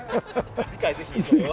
次回ぜひそれを。